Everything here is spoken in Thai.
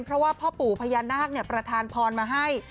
เพราะว่าพ่อปู่พญานาคประธานพรมาให้